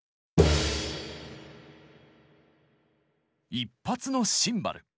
１発のシンバル。